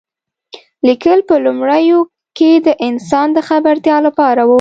لیکل په لومړیو کې د انسان د خبرتیا لپاره و.